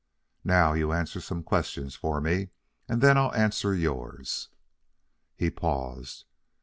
Now you answer some questions for me, and then I'll answer yours." He paused.